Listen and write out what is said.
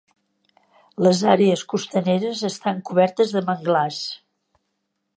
Les àrees costaneres estan cobertes de manglars.